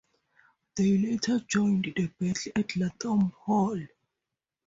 They later joined the battle at Lathom Hall.